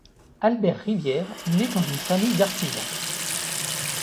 Albert Rivière naît dans une famille d'artisans.